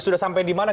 sudah sampai di mana